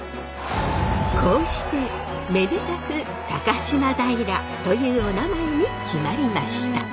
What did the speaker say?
こうしてめでたく高島平というおなまえに決まりました。